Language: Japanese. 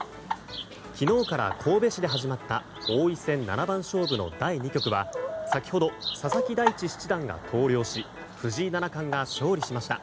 昨日から神戸市では始まった王位戦七番勝負の第２局は先ほど佐々木大地七段が投了し藤井七冠が勝利しました。